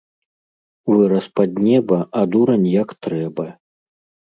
Вырас пад неба, а дурань як трэба